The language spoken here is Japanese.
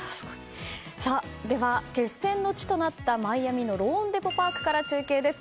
では、決戦の地となったマイアミのローンデポ・パークから中継です。